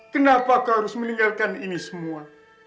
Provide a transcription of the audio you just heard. kenapa kau harus meninggalkan ini semua